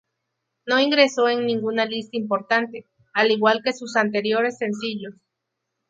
No ingresó en ninguna lista importante, al igual que sus anteriores sencillos.